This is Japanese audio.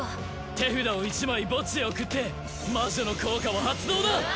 手札を１枚墓地へ送って魔女の効果を発動だ！